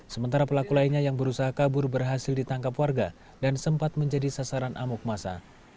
sementara pelaku lainnya yang berusaha kabur berhasil ditangkap warga dan sempat menjadi sasaran amuk masa